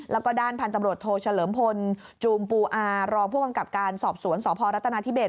แล้วก็ด้านพันธุ์ตำรวจโทเฉลิมพลจูมปูอารองผู้กำกับการสอบสวนสพรัฐนาธิเบส